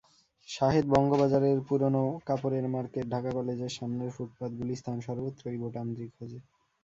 শাহেদ বঙ্গবাজারের পুরোনো কাপড়ের মার্কেট, ঢাকা কলেজের সামনের ফুটপাত, গুলিস্তান—সর্বত্রই বোতামটি খোঁজে।